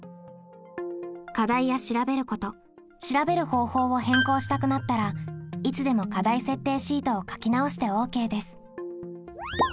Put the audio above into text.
課題や調べること調べる方法を変更したくなったらいつでも課題設定シートを書き直してＯＫです。